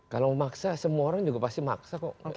kalau memaksa semua orang juga pasti maksa kok